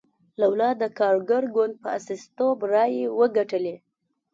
لولا د کارګر ګوند په استازیتوب رایې وګټلې.